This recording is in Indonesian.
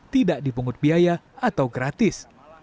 tidak dipungut biaya atau gratis